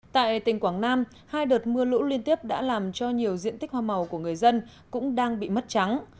tại tỉnh quảng nam hai đợt mưa lũ liên tiếp đã làm cho nhiều diện tích hoa màu của người dân cũng đang bị mất trắng